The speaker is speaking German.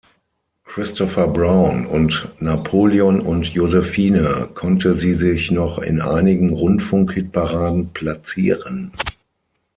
Christopher Brown" und "Napoleon und Josephine" konnte sie sich noch in einigen Rundfunk-Hitparaden platzieren.